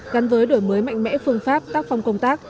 gắn với đổi mới mạnh mẽ phương pháp tác phong công tác